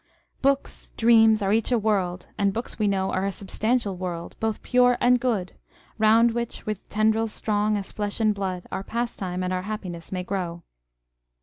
Books, dreams are eacli a world, and books, \ve know, Are a substantial world, both pure and good ; Round which, with tendrils strong as flesh and blood, Our pastime and our happiness may grow.